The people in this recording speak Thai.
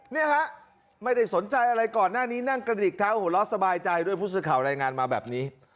เนี่ยฮะไม่ได้สนใจอะไรก่อนหน้านี้นั่งกระดิกเท้าหัวเราะสบายใจด้วยผู้สื่อข่าวรายงานมาแบบนี้